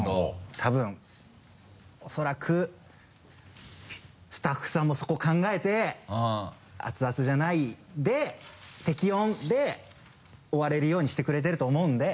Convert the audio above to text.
多分恐らくスタッフさんもそこ考えて熱々じゃないで適温で終われるようにしてくれてると思うんで。